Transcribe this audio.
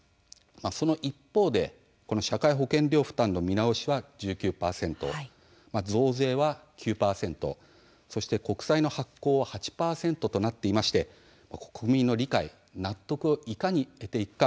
その一方で社会保険料負担の見直しが１９％増税は９％そして、国債の発行は８％となっていまして国民の理解と納得をいかに得ていくか